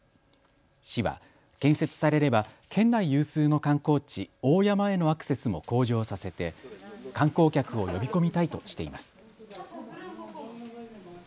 市は建設されれば県内有数の観光地、大山へのアクセスも向上させて観光客を呼び込みたいとしています。